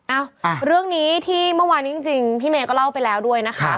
เอ้าเรื่องนี้ที่เมื่อวานนี้จริงพี่เมย์ก็เล่าไปแล้วด้วยนะคะ